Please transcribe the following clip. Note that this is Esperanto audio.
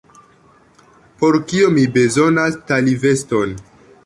Por kio mi bezonas taliveston?